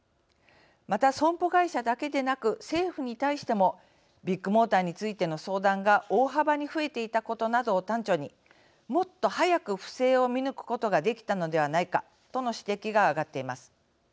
また、損保会社だけでなく政府に対してもビッグモーターについての相談が大幅に増えていたことなどを端緒にもっと早く不正を見抜くことができたのではないかとの指摘が挙がっています。